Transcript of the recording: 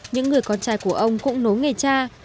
những người con trai của ông cũng nối nghề cha